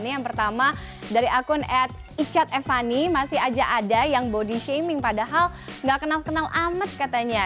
yang pertama dari akun ad icat evani masih aja ada yang body shaming padahal enggak kenal kenal amat katanya